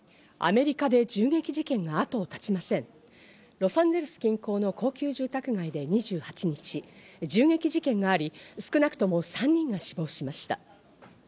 ロサンゼルス近郊の高級住宅街で２８日、銃撃事件があり、少なくとも３人が死亡しました。